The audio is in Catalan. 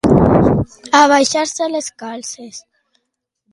Abaixar-se les calces.